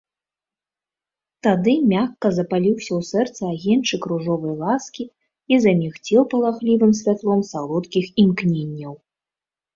Тады мякка запаліўся ў сэрцы агеньчык ружовай ласкі і замігцеў палахлівым святлом салодкіх імкненняў.